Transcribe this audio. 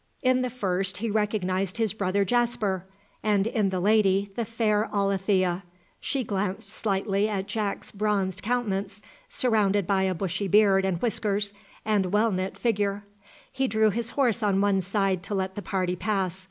In the first he recognised his brother Jasper, and in the lady, the fair Alethea. She glanced slightly at Jack's bronzed countenance, surrounded by a bushy beard and whiskers, and well knit figure. He drew his horse on one side to let the party pass.